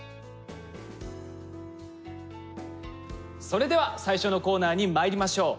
それでは最初のコーナーにまいりましょう。